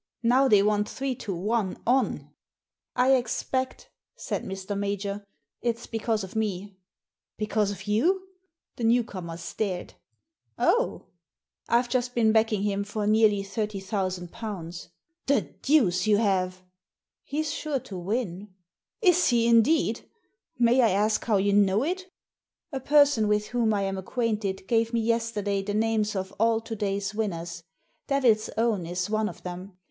Now they want three to one on." " I expect," said Mr. Major, " it's because of me." " Because of you ?" The new comer stared. Digitized by VjOOQIC THE TIPSTER 139 "Oh!" " IVe just been backing him for nearly thirty thou sand pounds 1 "" The deuce you have 1 "" He's sure to win." Is he, indeed ? May I ask how you know it ?" ''A person with whom I am acquainted g^ve me yesterday the names of all to day's winners. Devil's Own is one of them.